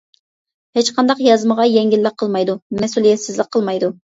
ھېچقانداق يازمىغا يەڭگىللىك قىلمايدۇ، مەسئۇلىيەتسىزلىك قىلمايدۇ.